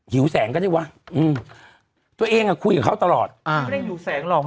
หิวแสงก็ได้วะอืมตัวเองอ่ะคุยกับเขาตลอดอ่าไม่ได้หิวแสงหรอก